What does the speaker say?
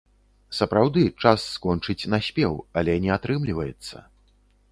Сапраўды, час скончыць наспеў, але не атрымліваецца.